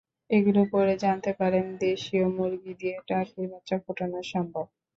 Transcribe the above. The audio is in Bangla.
এগুলো পড়ে জানতে পারেন, দেশীয় মুরগি দিয়ে টার্কির বাচ্চা ফোটানো সম্ভব।